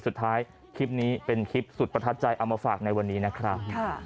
สุดท้ายคลิปนี้เป็นคลิปสุดประทับใจเอามาฝากในวันนี้นะครับ